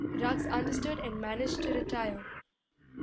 Ruggs understood and managed to retire.